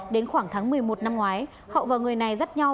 đến khoảng tháng một mươi một năm ngoái hậu và người này dắt nhau